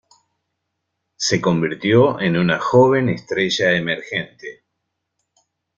Se convirtió en una joven estrella emergente.